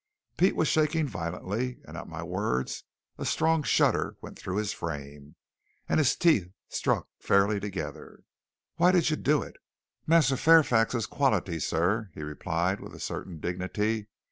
Pete was shaking violently, and at my words a strong shudder went through his frame, and his teeth struck faintly together. "Why did you do it?" "Massa Fairfax is quality, sah," he replied with a certain dignity.